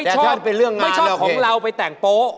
แต่ชอบเป็นเรื่องนั้นไม่ชอบของเราไปแต่งโป๊ะ